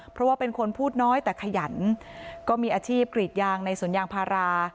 เพราะว่าเป็นคนพูดน้อยแต่ขยันก็มีอาชีพกรีดยางในสวนยางพารา